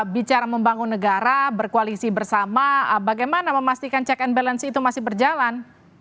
bicara membangun negara berkoalisi bersama bagaimana memastikan check and balance itu masih berjalan